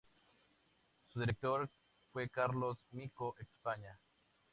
Su director fue Carlos Micó España.